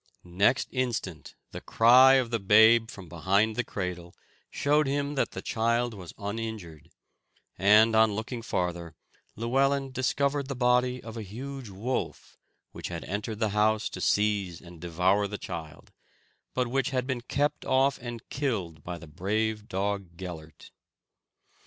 Next instant the cry of the babe from behind the cradle showed him that the child was uninjured; and, on looking farther, Llewellyn discovered the body of a huge wolf, which had entered the house to seize and devour the child, but which had been kept off and killed by the brave dog Gellert.